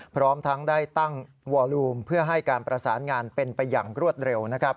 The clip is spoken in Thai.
พร้อมทั้งได้ตั้งวอลูมเพื่อให้การประสานงานเป็นไปอย่างรวดเร็วนะครับ